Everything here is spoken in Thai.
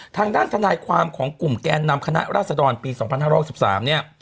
ทางด้านทนายความของกลุ่มแกนนำคณะราษฎรปี๒๕๖๓เนี่ย